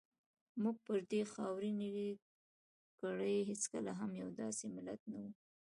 موږ پر دې خاورینې کرې هېڅکله هم یو داسې ملت نه وو.